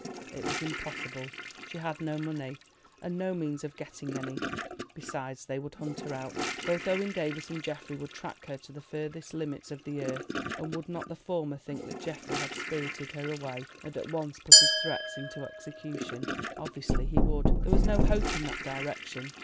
It was impossible; she had no money, and no means of getting any. Besides, they would hunt her out, both Owen Davies and Geoffrey would track her to the furthest limits of the earth. And would not the former think that Geoffrey had spirited her away, and at once put his threats into execution? Obviously he would. There was no hope in that direction.